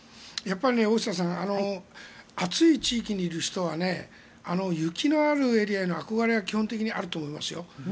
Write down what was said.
やっぱり暑い地域にいる人は雪のあるエリアへの憧れが基本的にあると思いますよ。